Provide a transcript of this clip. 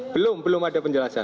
belum belum ada penjelasan